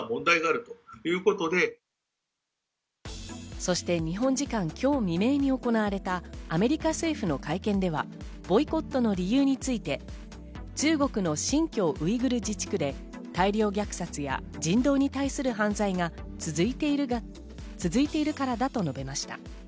そして日本時間今日未明に行われたアメリカ政府の会見では、ボイコットの理由について、中国の新疆ウイグル自治区で大量虐殺や、人道に対する犯罪が続いているからだと述べました。